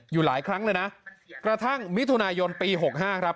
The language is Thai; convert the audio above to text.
อยู่หลายครั้งเลยนะกระทั่งมิถุนายนปี๖๕ครับ